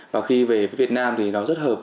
và khi về việt nam thì nó rất hợp